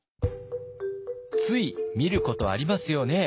つい見ることありますよね？